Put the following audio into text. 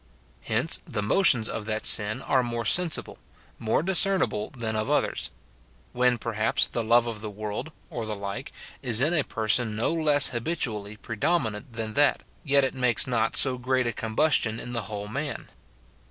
Hence, the motions of that sin are more sensible, more discernible than of others ; when perhaps the love of the world, or the like, is in a person no less habitually predominant than that, yet it makes not so great a combustion in the whole man.